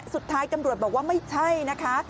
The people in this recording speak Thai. สุดท้ายตำรวจบอกว่าไม่ใช่นะคะ